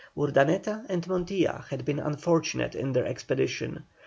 Urdaneta and Montilla had been unfortunate in their expedition.